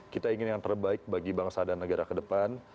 kita ingin yang terbaik bagi bangsa dan negara kedepan